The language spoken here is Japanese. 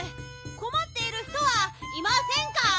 こまっている人はいませんか？